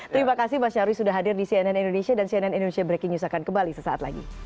terima kasih mas nyarwi sudah hadir di cnn indonesia dan cnn indonesia breaking news akan kembali sesaat lagi